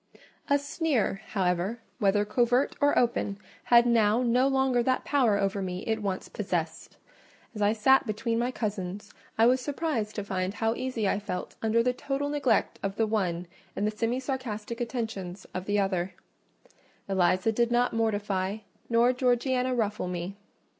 A sneer, however, whether covert or open, had now no longer that power over me it once possessed: as I sat between my cousins, I was surprised to find how easy I felt under the total neglect of the one and the semi sarcastic attentions of the other—Eliza did not mortify, nor Georgiana ruffle me.